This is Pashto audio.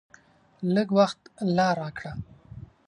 لږ وخت لا راکړه !